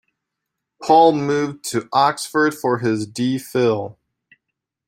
Paul moved to Oxford for his D Phil.